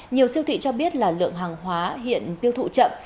nhiều siêu thị cho biết là lượng hàng hóa hiện tiêu thụ chậm